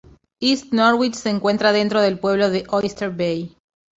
East Norwich se encuentra dentro del pueblo de Oyster Bay.